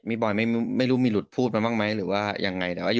มีบอยไม่รู้มีหลุดพูดไหมหรือยังไง